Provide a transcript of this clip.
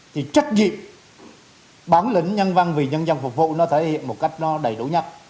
thì trách nhiệm bản lĩnh nhân văn vì nhân dân phục vụ nó thể hiện một cách nó đầy đủ nhất